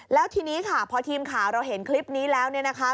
แล้วทีนี้ค่ะพอทีมข่าวเราเห็นคลิปนี้แล้วเนี่ยนะคะ